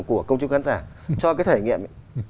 của công chức khán giả cho cái thử nghiệm